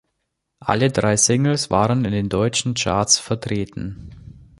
Alle drei Singles waren in den deutschen Charts vertreten.